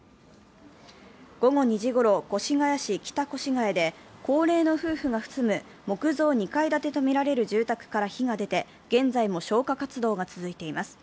午後２時ごろ、越谷市北越谷で高齢の夫婦が住む木造２階建てとみられる住宅から火が出て現在も消火活動が続いています。